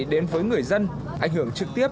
tên yêu để làm gì